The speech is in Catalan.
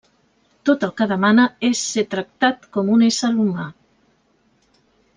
Tot el que demana és ser tractat com un ésser humà.